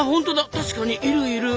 確かにいるいる！